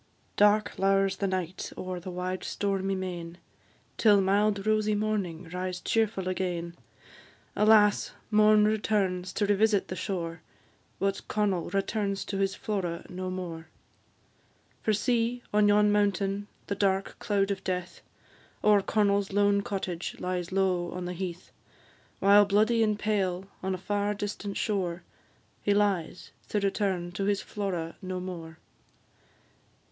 Dark lowers the night o'er the wide stormy main, Till mild rosy morning rise cheerful again; Alas! morn returns to revisit the shore, But Connel returns to his Flora no more. For see, on yon mountain, the dark cloud of death, O'er Connel's lone cottage, lies low on the heath; While bloody and pale, on a far distant shore, He lies, to return to his Flora no more.